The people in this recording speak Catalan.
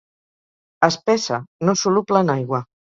Espessa, no soluble en aigua.